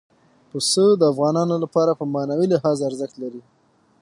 پسه د افغانانو لپاره په معنوي لحاظ ارزښت لري.